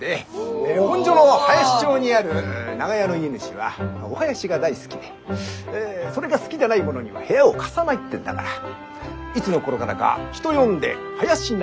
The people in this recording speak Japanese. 本所の林町にある長屋の家主はお囃子が大好きでそれが好きでない者には部屋を貸さないってんだからいつの頃からか人呼んで「囃子長屋」。